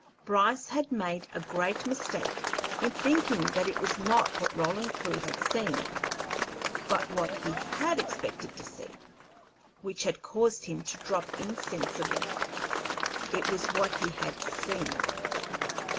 Bryce had made a great mistake in thinking that it was not what Roland Clewe had seen, but what he had expected to see, which had caused him to drop insensible. It was what he had seen.